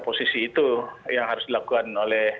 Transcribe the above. posisi itu yang harus dilakukan oleh